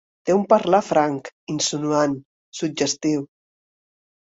Té un parlar franc, insinuant, suggestiu.